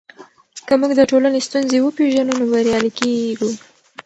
که موږ د ټولنې ستونزې وپېژنو نو بریالي کیږو.